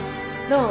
どう？